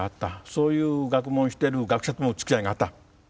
そういう学問をしている学者ともおつきあいがあった。